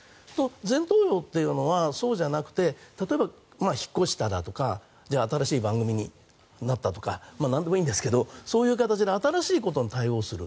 前頭葉というのはそうじゃなくて例えば、引っ越しただとか新しい番組になったとかなんでもいいんですけどそういう形で新しいことに対応する。